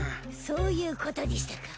そういうことでぃしたか。